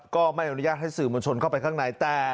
ก็ไม่อนุญาตให้สื่อมวลชนเข้าไปข้างใน